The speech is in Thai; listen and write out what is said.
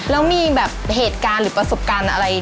แล้วมีแบบเหตุการณ์หรือประสบการณ์อะไร